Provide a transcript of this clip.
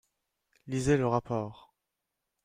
Lisez le rapport